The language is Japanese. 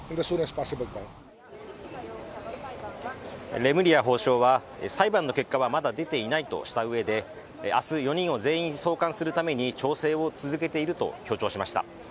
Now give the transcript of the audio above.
レムリヤ法相は裁判の結果はまだ出ていないとしたうえで明日４人を全員送還するために調整を続けていると強調しました。